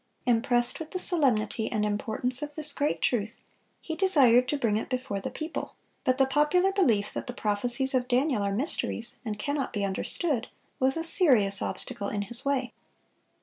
Impressed with the solemnity and importance of this great truth, he desired to bring it before the people; but the popular belief that the prophecies of Daniel are mysteries and cannot be understood, was a serious obstacle in his way.